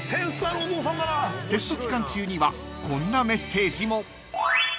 ［テスト期間中にはこんなメッセージも］